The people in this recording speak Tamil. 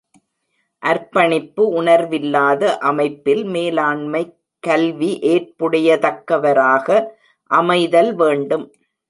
அர்ப்பணிப்பு உணர்வில்லாத அமைப்பில் மேலாண்மை கல்வி ஏற்புடைய தக்கவராக அமைத்தல் வேண்டும்.